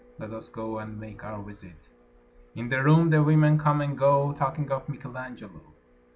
Let us go and make our visit. In the room the women come and go Talking of Michelangelo.